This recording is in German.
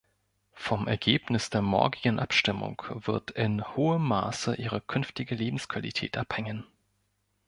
Vom Ergebnis der morgigen Abstimmung wird in hohem Maße ihre künftige Lebensqualität abhängen.